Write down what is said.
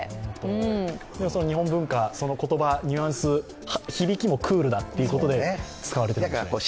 日本文化、その言葉、ニュアンス、響きもクールだということで使われてるのかもしれない。